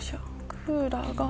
クーラーが。